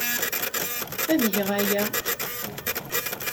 Ad geɣ aya.